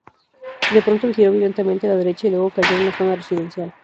De pronto giró violentamente a la derecha y luego cayó a una zona residencial.